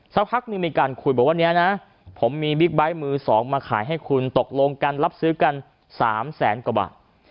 สักพักหนึ่งมีการคุยบอกว่าเนี่ยนะผมมีบิ๊กไบท์มือสองมาขายให้คุณตกลงกันรับซื้อกัน๓แสนกว่าบาท